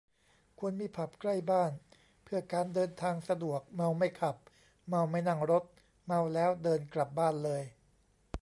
ควรมีผับใกล้บ้าน เพื่อการเดินทางสะดวก เมาไม่ขับ เมาไม่นั่งรถ เมาแล้วเดินกลับบ้านเลย